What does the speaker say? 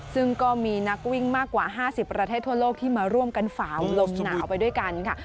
ซึ่งก็มีนักวิ่งมากกว่า๕๐ประเทศทั่วโลกที่มาร่วมกันฝาวลมหนาวไปด้วยกันค่ะ